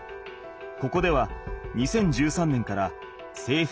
ここでは２０１３年からせいふ